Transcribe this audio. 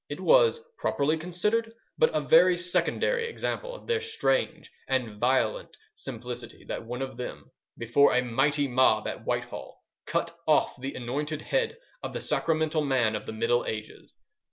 It was, properly considered, but a very secondary example of their strange and violent simplicity that one of them, before a mighty mob at Whitehall, cut off the anointed head of the sacramental man of the Middle Ages.